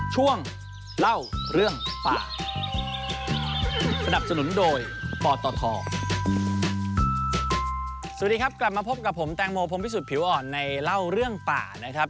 สวัสดีครับกลับมาพบกับผมแตงโมพรมพิสุทธิผิวอ่อนในเล่าเรื่องป่านะครับ